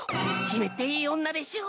姫っていい女でしょ？